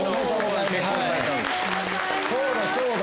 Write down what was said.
そうだそうだ。